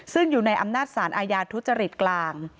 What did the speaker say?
ซึ่งอยู่ในอำนาจสารอาญาทุจริตกลาง